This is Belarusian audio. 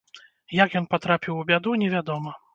Як ён патрапіў у бяду, невядома.